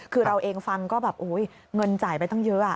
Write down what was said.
คือเราเองฟังก็แบบเงินจ่ายไปตั้งเยอะ